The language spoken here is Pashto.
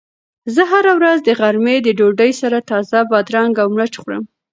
زه هره ورځ د غرمې د ډوډۍ سره تازه بادرنګ او مرچ خورم.